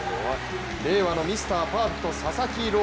令和のミスターパーフェクト佐々木朗